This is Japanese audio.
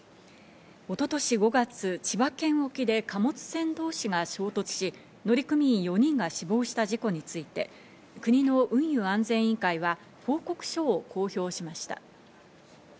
一昨年５月、千葉県沖で貨物船同士が衝突し、乗組員４人が死亡した事故について国の運輸安全委員会は報告書を公表しました。